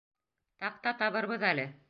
Таҡта табырбыҙ әле.